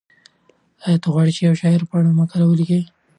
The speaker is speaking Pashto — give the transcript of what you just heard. ایا ته غواړې د یو شاعر په اړه مقاله ولیکې؟